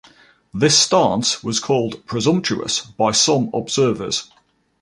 This stance was called "presumptuous" by some observers.